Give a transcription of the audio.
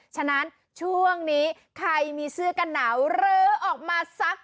ฉะนั้นช่วงนี้ใครมีเสื้อกันหนาวลื้อออกมาซัก